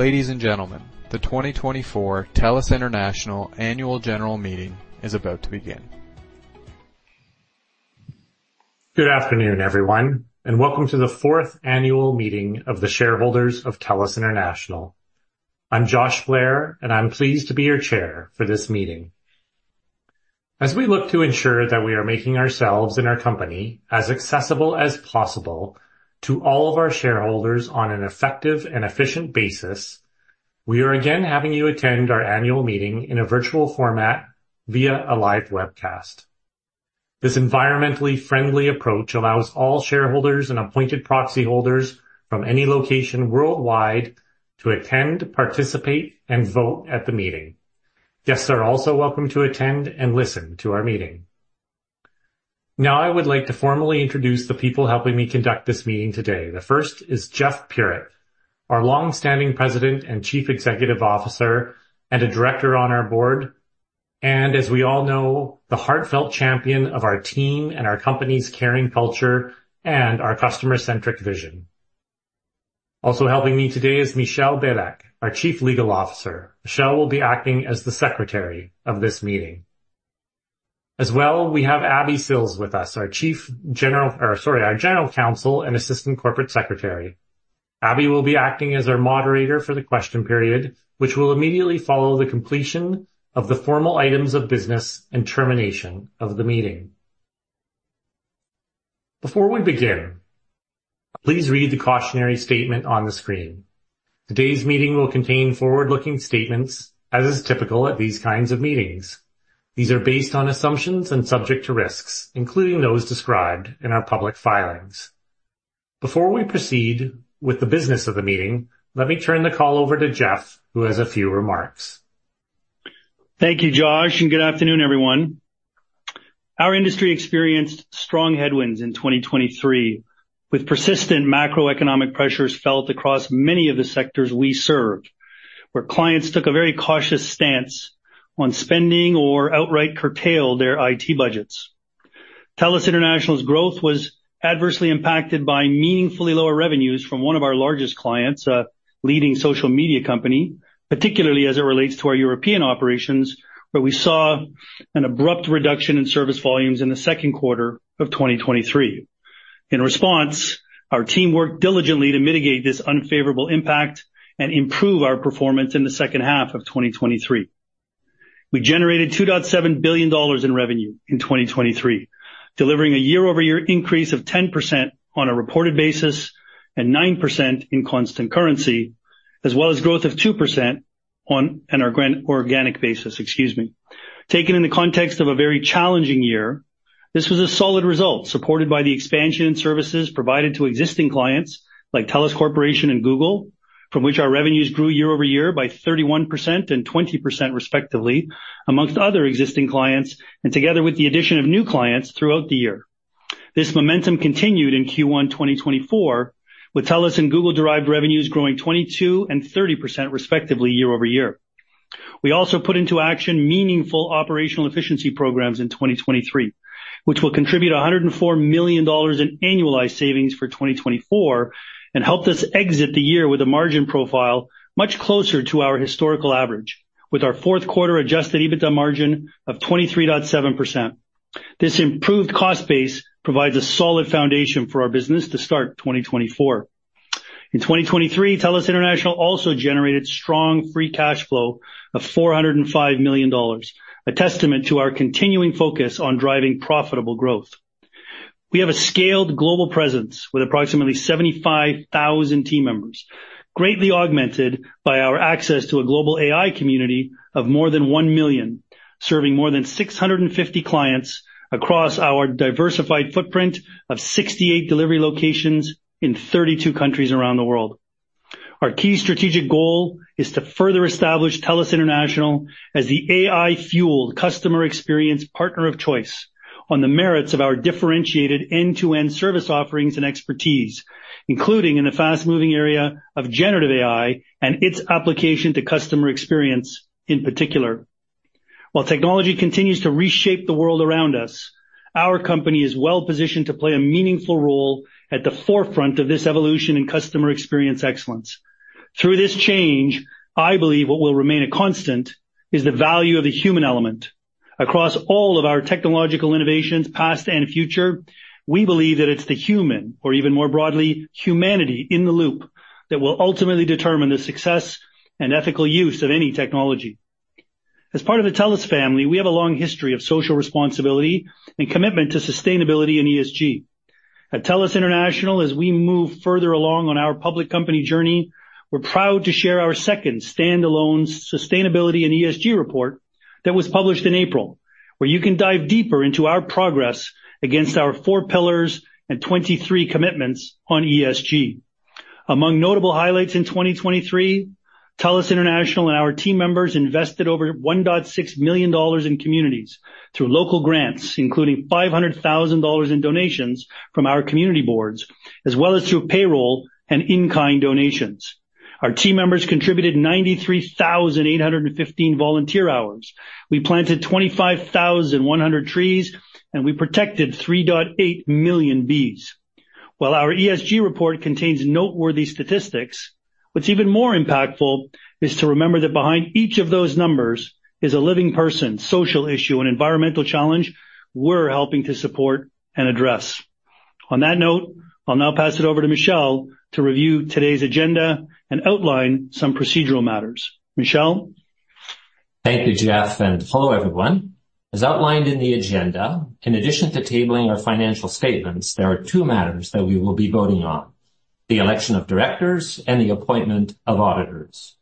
Ladies and gentlemen, the 2024 TELUS International Annual General Meeting is about to begin. Good afternoon, everyone, and welcome to the fourth annual meeting of the shareholders of TELUS International. I'm Josh Blair, and I'm pleased to be your chair for this meeting. As we look to ensure that we are making ourselves and our company as accessible as possible to all of our shareholders on an effective and efficient basis, we are again having you attend our annual meeting in a virtual format via a live webcast. This environmentally friendly approach allows all shareholders and appointed proxy holders from any location worldwide to attend, participate, and vote at the meeting. Guests are also welcome to attend and listen to our meeting. Now, I would like to formally introduce the people helping me conduct this meeting today. The first is Jeff Puritt, our long-standing President and Chief Executive Officer, and a director on our board, and as we all know, the heartfelt champion of our team and our company's caring culture and our customer-centric vision. Also helping me today is Michel Belec, our Chief Legal Officer. Michel will be acting as the secretary of this meeting. As well, we have Abby Sills with us, our General Counsel and Assistant Corporate Secretary. Abby will be acting as our moderator for the question period, which will immediately follow the completion of the formal items of business and termination of the meeting. Before we begin, please read the cautionary statement on the screen. Today's meeting will contain forward-looking statements, as is typical at these kinds of meetings. These are based on assumptions and subject to risks, including those described in our public filings. Before we proceed with the business of the meeting, let me turn the call over to Jeff, who has a few remarks. Thank you, Josh, and good afternoon, everyone. Our industry experienced strong headwinds in 2023, with persistent macroeconomic pressures felt across many of the sectors we serve, where clients took a very cautious stance on spending or outright curtailed their IT budgets. TELUS International's growth was adversely impacted by meaningfully lower revenues from one of our largest clients, a leading social media company, particularly as it relates to our European operations, where we saw an abrupt reduction in service volumes in the Q2 of 2023. In response, our team worked diligently to mitigate this unfavorable impact and improve our performance in the second half of 2023. We generated $2.7 billion in revenue in 2023, delivering a year-over-year increase of 10% on a reported basis and 9% in constant currency, as well as growth of 2% on an organic basis, excuse me. Taken in the context of a very challenging year, this was a solid result, supported by the expansion in services provided to existing clients like TELUS Corporation and Google, from which our revenues grew year-over-year by 31% and 20%, respectively, among other existing clients, and together with the addition of new clients throughout the year. This momentum continued in Q1 2024, with TELUS and Google-derived revenues growing 22% and 30%, respectively, year-over-year. We also put into action meaningful operational efficiency programs in 2023, which will contribute $104 million in annualized savings for 2024, and helped us exit the year with a margin profile much closer to our historical average, with our Q4 Adjusted EBITDA margin of 23.7%. This improved cost base provides a solid foundation for our business to start 2024. In 2023, TELUS International also generated strong free cash flow of $405 million, a testament to our continuing focus on driving profitable growth. We have a scaled global presence with approximately 75,000 team members, greatly augmented by our access to a global AI community of more than 1 million, serving more than 650 clients across our diversified footprint of 68 delivery locations in 32 countries around the world. Our key strategic goal is to further establish TELUS International as the AI-fueled customer experience partner of choice on the merits of our differentiated end-to-end service offerings and expertise, including in the fast-moving area of Generative AI and its application to customer experience in particular. While technology continues to reshape the world around us, our company is well-positioned to play a meaningful role at the forefront of this evolution in customer experience excellence. Through this change, I believe what will remain a constant is the value of the human element. Across all of our technological innovations, past and future, we believe that it's the human, or even more broadly, humanity in the loop, that will ultimately determine the success and ethical use of any technology. As part of the TELUS family, we have a long history of social responsibility and commitment to sustainability and ESG. At TELUS International, as we move further along on our public company journey, we're proud to share our second standalone sustainability and ESG report that was published in April, where you can dive deeper into our progress against our 4 pillars and 23 commitments on ESG. Among notable highlights in 2023, TELUS International and our team members invested over $1.6 million in communities through local grants, including $500,000 in donations from our community boards, as well as through payroll and in-kind donations. Our team members contributed 93,815 volunteer hours. We planted 25,100 trees, and we protected 3.8 million bees.... While our ESG report contains noteworthy statistics, what's even more impactful is to remember that behind each of those numbers is a living person, social issue, and environmental challenge we're helping to support and address. On that note, I'll now pass it over to Michel to review today's agenda and outline some procedural matters. Michel? Thank you, Jeff, and hello, everyone. As outlined in the agenda, in addition to tabling our financial statements, there are two matters that we will be voting on: the election of directors and the appointment of auditors.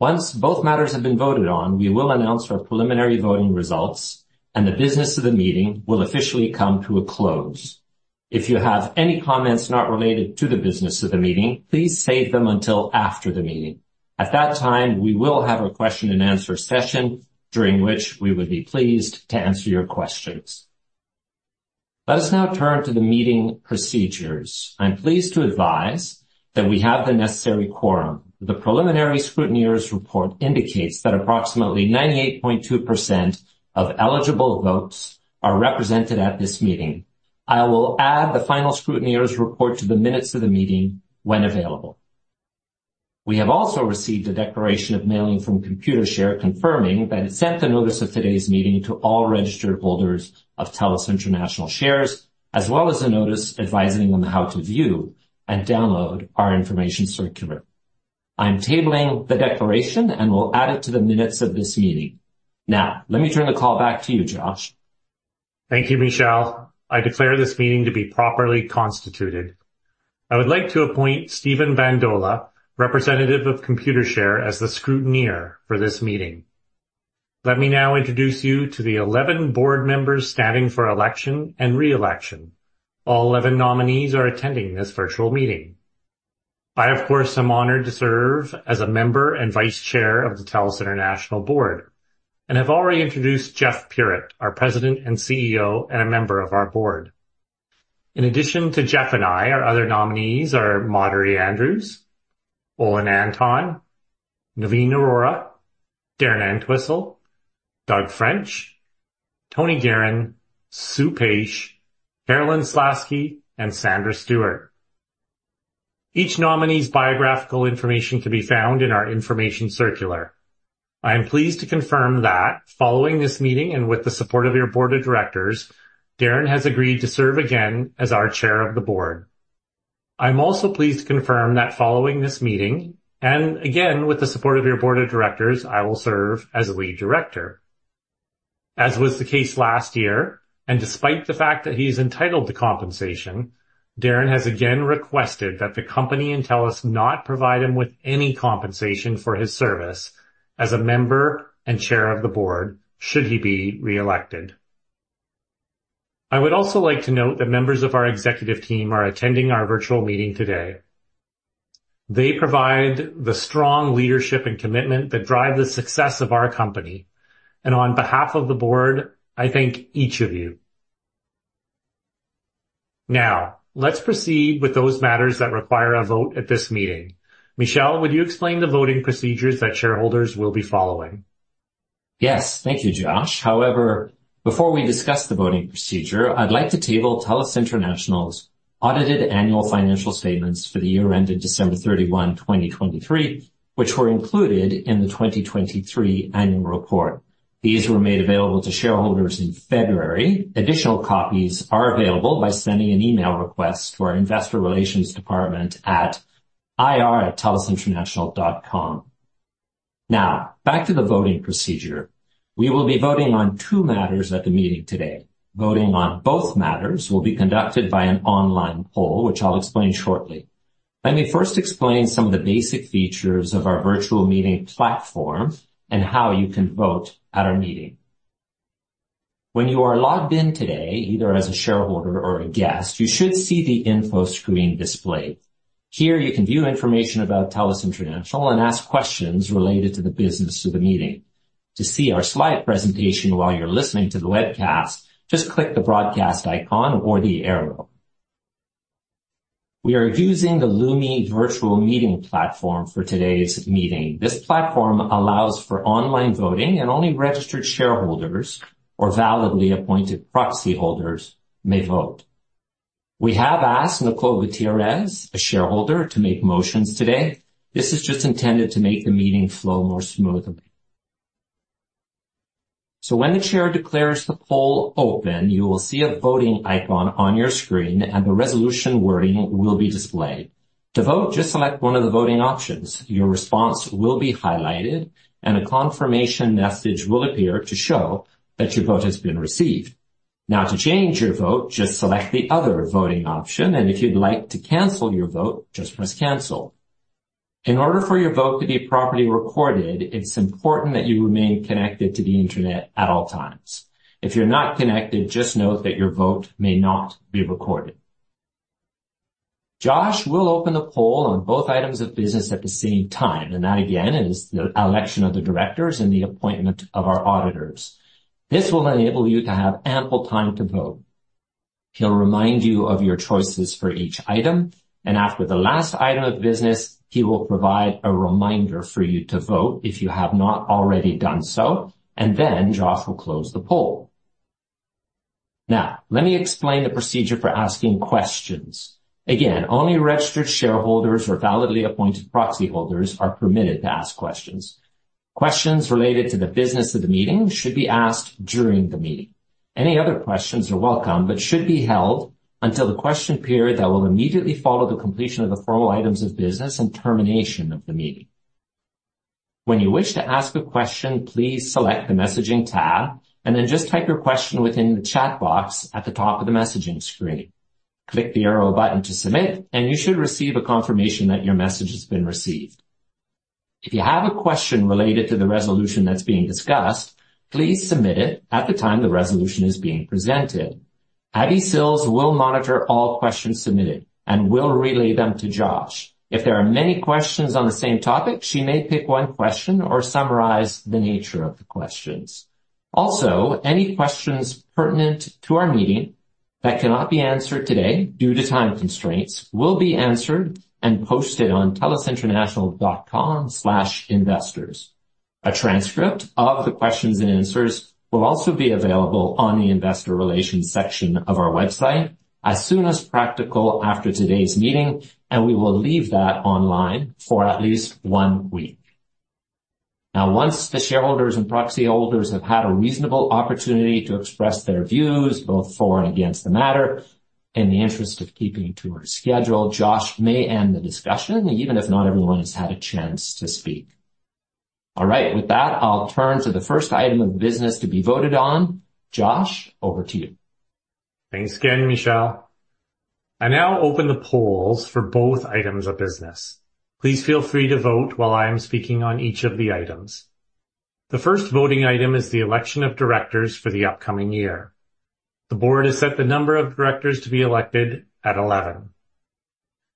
Once both matters have been voted on, we will announce our preliminary voting results, and the business of the meeting will officially come to a close. If you have any comments not related to the business of the meeting, please save them until after the meeting. At that time, we will have a question-and-answer session, during which we would be pleased to answer your questions. Let us now turn to the meeting procedures. I'm pleased to advise that we have the necessary quorum. The preliminary scrutineer's report indicates that approximately 98.2% of eligible votes are represented at this meeting. I will add the final scrutineer's report to the minutes of the meeting when available. We have also received a declaration of mailing from Computershare, confirming that it sent the notice of today's meeting to all registered holders of TELUS International shares, as well as a notice advising them how to view and download our information circular. I'm tabling the declaration and will add it to the minutes of this meeting. Now, let me turn the call back to you, Josh. Thank you, Michel. I declare this meeting to be properly constituted. I would like to appoint Stefan Bandola, representative of Computershare, as the scrutineer for this meeting. Let me now introduce you to the 11 board members standing for election and re-election. All 11 nominees are attending this virtual meeting. I, of course, am honored to serve as a member and Vice Chair of the TELUS International Board and have already introduced Jeff Puritt, our President and CEO, and a member of our board. In addition to Jeff and I, our other nominees are Madhuri Andrews, Olin Anton, Navin Arora, Darren Entwistle, Doug French, Tony Geheran, Sue Paish, Carolyn Slaski, and Sandra Stuart. Each nominee's biographical information can be found in our information circular. I am pleased to confirm that following this meeting, and with the support of your Board of Directors, Darren has agreed to serve again as our Chair of the Board. I'm also pleased to confirm that following this meeting, and again, with the support of your Board of Directors, I will serve as Lead Director. As was the case last year, and despite the fact that he is entitled to compensation, Darren has again requested that the company and TELUS not provide him with any compensation for his service as a member and Chair of the Board should he be re-elected. I would also like to note that members of our executive team are attending our virtual meeting today. They provide the strong leadership and commitment that drive the success of our company, and on behalf of the Board, I thank each of you. Now, let's proceed with those matters that require a vote at this meeting. Michel, would you explain the voting procedures that shareholders will be following? Yes. Thank you, Josh. However, before we discuss the voting procedure, I'd like to table TELUS International's audited annual financial statements for the year ended December 31, 2023, which were included in the 2023 annual report. These were made available to shareholders in February. Additional copies are available by sending an email request to our investor relations department at ir@telusinternational.com. Now, back to the voting procedure. We will be voting on two matters at the meeting today. Voting on both matters will be conducted by an online poll, which I'll explain shortly. Let me first explain some of the basic features of our virtual meeting platform and how you can vote at our meeting. When you are logged in today, either as a shareholder or a guest, you should see the info screen displayed. Here, you can view information about TELUS International and ask questions related to the business of the meeting. To see our slide presentation while you're listening to the webcast, just click the broadcast icon or the arrow. We are using the Lumi virtual meeting platform for today's meeting. This platform allows for online voting, and only registered shareholders or validly appointed proxy holders may vote. We have asked Nicole Gutierrez, a shareholder, to make motions today. This is just intended to make the meeting flow more smoothly. So when the chair declares the poll open, you will see a voting icon on your screen, and the resolution wording will be displayed. To vote, just select one of the voting options. Your response will be highlighted, and a confirmation message will appear to show that your vote has been received. Now, to change your vote, just select the other voting option, and if you'd like to cancel your vote, just press Cancel. In order for your vote to be properly recorded, it's important that you remain connected to the internet at all times. If you're not connected, just note that your vote may not be recorded. Josh will open the poll on both items of business at the same time, and that, again, is the election of the directors and the appointment of our auditors. This will enable you to have ample time to vote. He'll remind you of your choices for each item, and after the last item of business, he will provide a reminder for you to vote if you have not already done so. Then Josh will close the poll... Now, let me explain the procedure for asking questions. Again, only registered shareholders or validly appointed proxy holders are permitted to ask questions. Questions related to the business of the meeting should be asked during the meeting. Any other questions are welcome, but should be held until the question period that will immediately follow the completion of the formal items of business and termination of the meeting. When you wish to ask a question, please select the Messaging tab, and then just type your question within the chat box at the top of the messaging screen. Click the arrow button to submit, and you should receive a confirmation that your message has been received. If you have a question related to the resolution that's being discussed, please submit it at the time the resolution is being presented. Abby Sills will monitor all questions submitted and will relay them to Josh. If there are many questions on the same topic, she may pick one question or summarize the nature of the questions. Also, any questions pertinent to our meeting that cannot be answered today due to time constraints, will be answered and posted on telusinternational.com/investors. A transcript of the questions and answers will also be available on the investor relations section of our website as soon as practical after today's meeting, and we will leave that online for at least one week. Now, once the shareholders and proxy holders have had a reasonable opportunity to express their views, both for and against the matter, in the interest of keeping to our schedule, Josh may end the discussion, even if not everyone has had a chance to speak. All right. With that, I'll turn to the first item of business to be voted on. Josh, over to you. Thanks again, Michel. I now open the polls for both items of business. Please feel free to vote while I am speaking on each of the items. The first voting item is the election of directors for the upcoming year. The Board has set the number of directors to be elected at 11.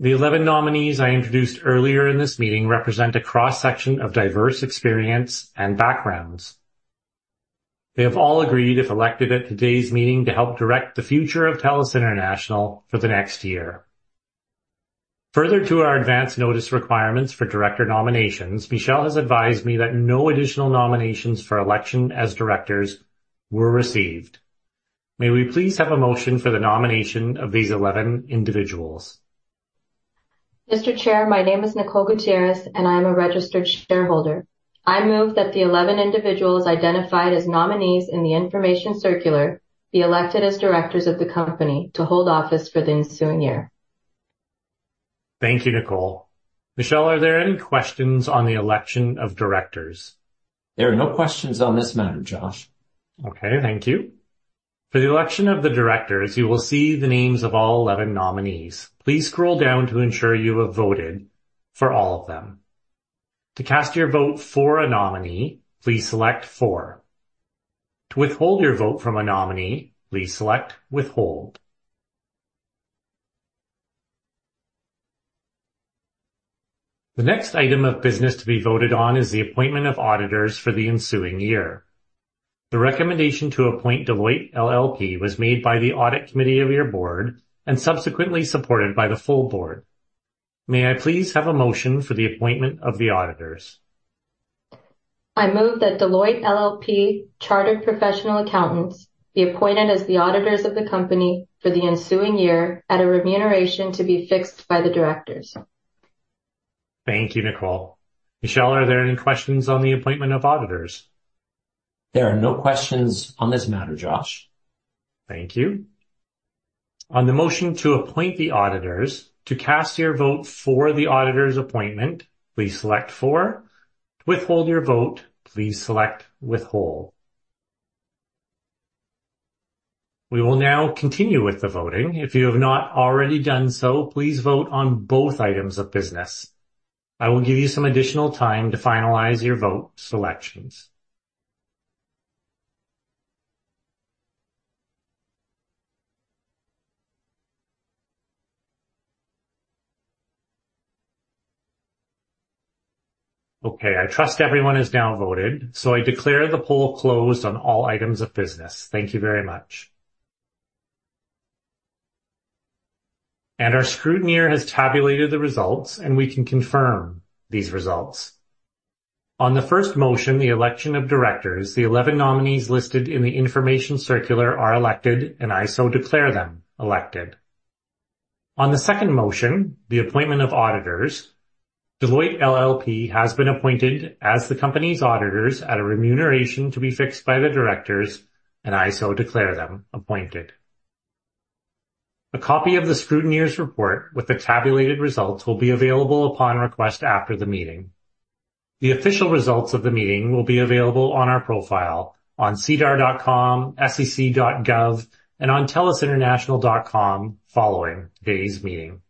The 11 nominees I introduced earlier in this meeting represent a cross-section of diverse experience and backgrounds. They have all agreed, if elected at today's meeting, to help direct the future of TELUS International for the next year. Further to our advance notice requirements for director nominations, Michel has advised me that no additional nominations for election as directors were received. May we please have a motion for the nomination of these 11 individuals? Mr. Chair, my name is Nicole Gutierrez, and I am a registered shareholder. I move that the eleven individuals identified as nominees in the information circular be elected as directors of the company to hold office for the ensuing year. Thank you, Nicole. Michel, are there any questions on the election of directors? There are no questions on this matter, Josh. Okay, thank you. For the election of the directors, you will see the names of all eleven nominees. Please scroll down to ensure you have voted for all of them. To cast your vote for a nominee, please select For. To withhold your vote from a nominee, please select Withhold. The next item of business to be voted on is the appointment of auditors for the ensuing year. The recommendation to appoint Deloitte LLP was made by the Audit Committee of your board and subsequently supported by the full board. May I please have a motion for the appointment of the auditors? I move that Deloitte LLP Chartered Professional Accountants, be appointed as the auditors of the company for the ensuing year at a remuneration to be fixed by the directors. Thank you, Nicole. Michel, are there any questions on the appointment of auditors? There are no questions on this matter, Josh. Thank you. On the motion to appoint the auditors, to cast your vote for the auditors' appointment, please select For. To withhold your vote, please select Withhold. We will now continue with the voting. If you have not already done so, please vote on both items of business. I will give you some additional time to finalize your vote selections. Okay, I trust everyone has now voted, so I declare the poll closed on all items of business. Thank you very much. Our scrutineer has tabulated the results, and we can confirm these results. On the first motion, the election of directors, the 11 nominees listed in the information circular are elected, and I so declare them elected. On the second motion, the appointment of auditors, Deloitte LLP has been appointed as the company's auditors at a remuneration to be fixed by the directors, and I so declare them appointed. A copy of the scrutineer's report with the tabulated results will be available upon request after the meeting. The official results of the meeting will be available on our profile on sedar.com, sec.gov, and on telusinternational.com following today's meeting.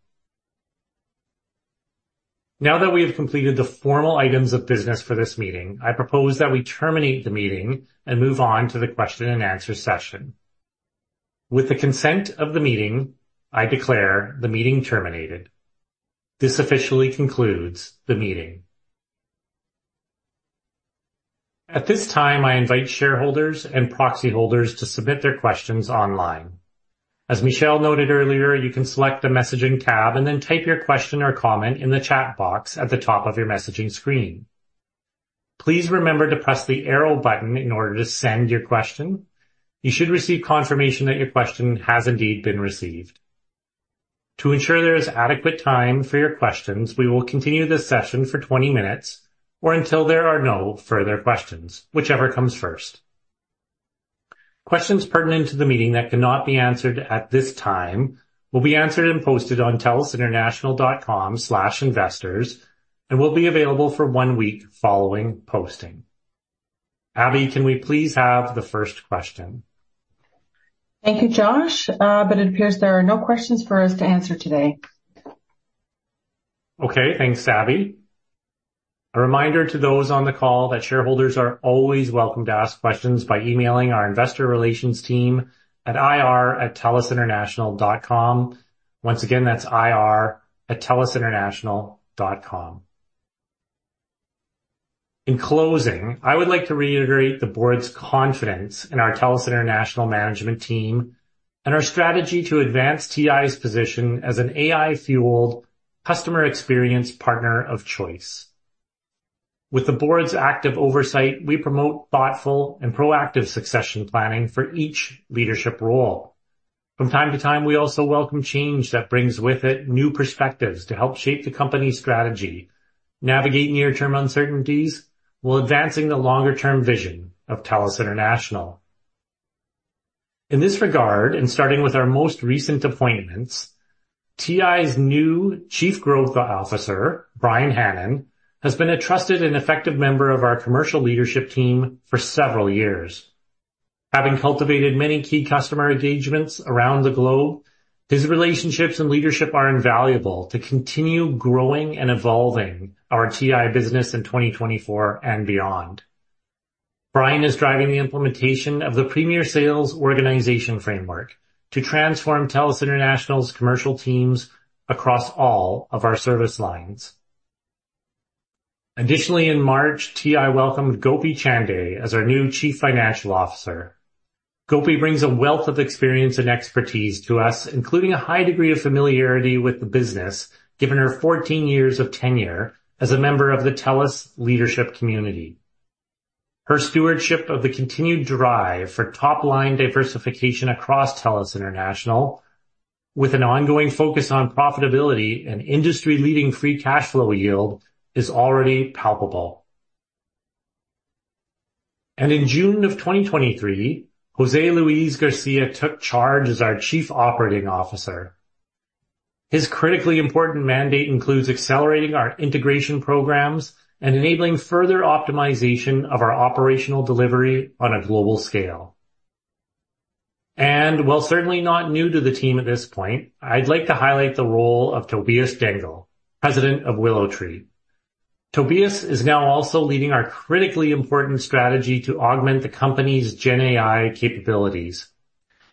Now that we have completed the formal items of business for this meeting, I propose that we terminate the meeting and move on to the question and answer session. With the consent of the meeting, I declare the meeting terminated. This officially concludes the meeting. At this time, I invite shareholders and proxy holders to submit their questions online. As Michel noted earlier, you can select the Messaging tab and then type your question or comment in the chat box at the top of your messaging screen.... Please remember to press the arrow button in order to send your question. You should receive confirmation that your question has indeed been received. To ensure there is adequate time for your questions, we will continue this session for 20 minutes, or until there are no further questions, whichever comes first. Questions pertinent to the meeting that cannot be answered at this time will be answered and posted on telusinternational.com/investors, and will be available for one week following posting. Abby, can we please have the first question? Thank you, Josh. But it appears there are no questions for us to answer today. Okay. Thanks, Abby. A reminder to those on the call that shareholders are always welcome to ask questions by emailing our investor relations team at ir@telusinternational.com. Once again, that's ir@telusinternational.com. In closing, I would like to reiterate the board's confidence in our TELUS International management team, and our strategy to advance TI's position as an AI-fueled customer experience partner of choice. With the board's active oversight, we promote thoughtful and proactive succession planning for each leadership role. From time to time, we also welcome change that brings with it new perspectives to help shape the company's strategy, navigate near-term uncertainties, while advancing the longer-term vision of TELUS International. In this regard, and starting with our most recent appointments, TI's new Chief Growth Officer, Brian Hannon, has been a trusted and effective member of our commercial leadership team for several years. Having cultivated many key customer engagements around the globe, his relationships and leadership are invaluable to continue growing and evolving our TI business in 2024 and beyond. Brian is driving the implementation of the Premier Sales organization framework to transform TELUS International's commercial teams across all of our service lines. Additionally, in March, TI welcomed Gopi Chande as our new Chief Financial Officer. Gopi brings a wealth of experience and expertise to us, including a high degree of familiarity with the business, given her 14 years of tenure as a member of the TELUS leadership community. Her stewardship of the continued drive for top-line diversification across TELUS International, with an ongoing focus on profitability and industry-leading free cash flow yield, is already palpable. In June of 2023, José-Luis García took charge as our Chief Operating Officer. His critically important mandate includes accelerating our integration programs and enabling further optimization of our operational delivery on a global scale. And while certainly not new to the team at this point, I'd like to highlight the role of Tobias Dengel, President of WillowTree. Tobias is now also leading our critically important strategy to augment the company's GenAI capabilities,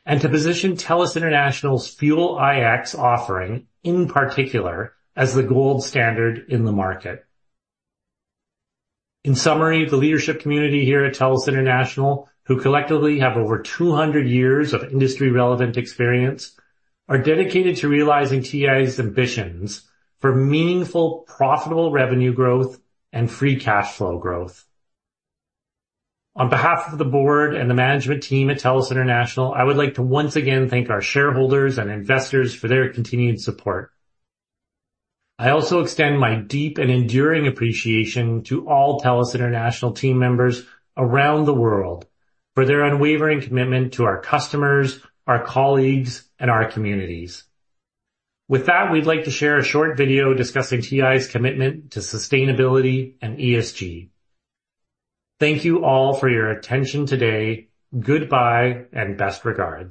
and to position TELUS International's Fuel iX offering, in particular, as the gold standard in the market. In summary, the leadership community here at TELUS International, who collectively have over 200 years of industry-relevant experience, are dedicated to realizing TI's ambitions for meaningful, profitable revenue growth and free cash flow growth. On behalf of the board and the management team at TELUS International, I would like to once again thank our shareholders and investors for their continued support. I also extend my deep and enduring appreciation to all TELUS International team members around the world for their unwavering commitment to our customers, our colleagues, and our communities. With that, we'd like to share a short video discussing TI's commitment to sustainability and ESG. Thank you all for your attention today. Goodbye, and best regards.